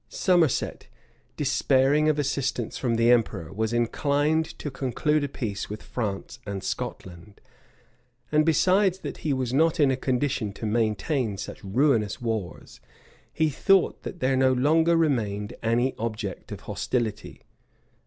[] Somerset, despairing of assistance from the emperor, was inclined to conclude a peace with France and Scotland; and besides that he was not in a condition to maintain such ruinous wars, he thought that there no longer remained any object of hostility.